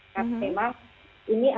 karena memang ini ada